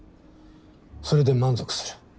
それで満足する。